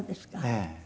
ええ。